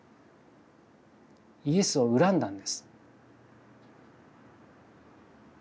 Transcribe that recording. イエスを恨んだんです。